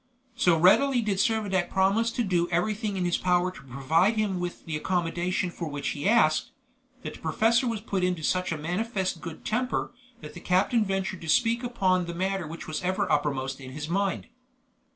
So readily did Servadac promise to do everything in his power to provide him with the accommodation for which he asked, that the professor was put into such a manifest good temper that the captain ventured to speak upon the matter that was ever uppermost in his mind.